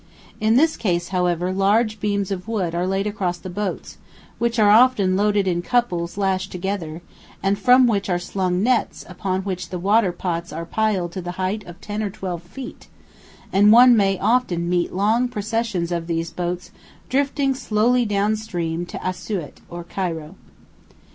In this case, however, large beams of wood are laid across the boats, which are often loaded in couples lashed together, and from which are slung nets upon which the water pots are piled to the height of 10 or 12 feet, and one may often meet long processions of these boats slowly drifting down stream to Assiut or Cairo.